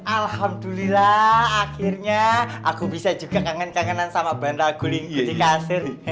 alhamdulillah akhirnya aku bisa juga kangen kangenan sama bandar aguling kutikasun